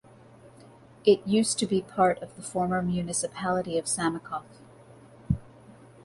It used to be part of the former municipality of Samokov.